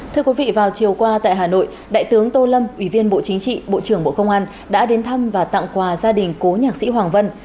thưa quý vị vào chiều qua tại hà nội đại tướng tô lâm ủy viên bộ chính trị bộ trưởng bộ công an đã đến thăm và tặng quà gia đình cố nhạc sĩ hoàng vân